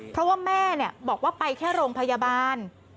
เพราะว่าแม่บอกว่าไปแค่โรงพยาบาล